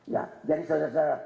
jadi saudara saudara